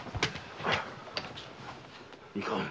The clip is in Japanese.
いかん。